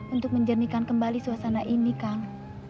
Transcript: untuk menjernihkan kembali suasana ini kang